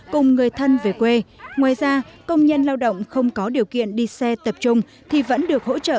cùng người thân về quê ngoài ra công nhân lao động không có điều kiện đi xe tập trung thì vẫn được hỗ trợ